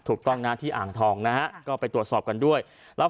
ถูกต้องนะที่อ่างทองนะฮะก็ไปตรวจสอบกันด้วยแล้ว